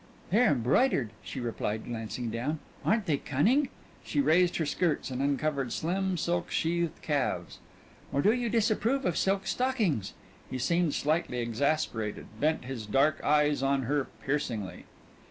"They're embroidered," she replied, glancing down; "Aren't they cunning?" She raised her skirts and uncovered slim, silk sheathed calves. "Or do you disapprove of silk stockings?" He seemed slightly exasperated, bent his dark eyes on her piercingly.